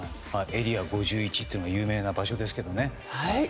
エリア５１というのは有名な場所ですけどね。